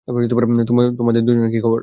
তোমাদের দুজনের কী খবর?